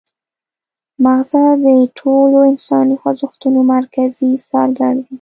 مغزه د ټولو انساني خوځښتونو مرکزي څارګر دي